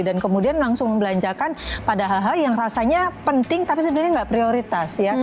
dan kemudian langsung belanjakan padahal yang rasanya penting tapi sebenarnya nggak prioritas ya